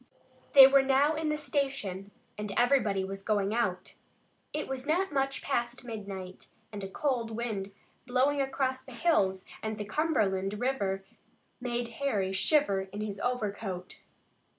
They were now in the station and everybody was going out. It was not much past midnight, and a cold wind blowing across the hills and the Cumberland River made Harry shiver in his overcoat.